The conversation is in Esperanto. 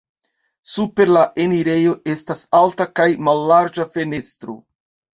Super la enirejo estas alta kaj mallarĝa fenestro.